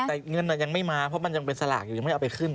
แต่เงินยังไม่มาเพราะมันยังเป็นสลากอยู่ยังไม่เอาไปขึ้น